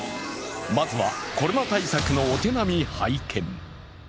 まずはコロナ対策のお手並み拝見。